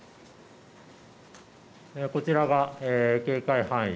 こちらが警戒範囲